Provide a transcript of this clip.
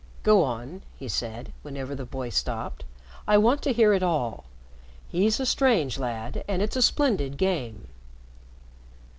"Go on," he said, whenever the boy stopped. "I want to hear it all. He's a strange lad, and it's a splendid game."